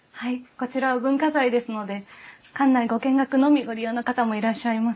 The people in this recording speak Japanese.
こちらは文化財ですので館内ご見学のみご利用の方もいらっしゃいます。